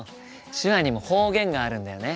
手話にも方言があるんだよね。